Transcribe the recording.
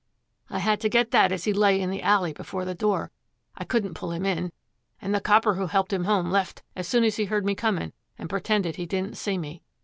'I had to get that as he lay in the alley before the door; I couldn't pull him in, and the copper who helped him home left as soon as he heard me coming and pretended he didn't see me.